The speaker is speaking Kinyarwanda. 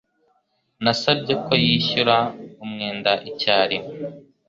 Nasabye ko yishyura umwenda icyarimwe.